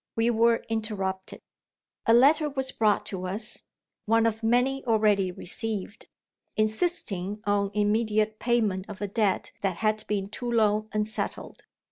We were interrupted. A letter was brought to us one of many, already received! insisting on immediate payment of a debt that had been too long unsettled.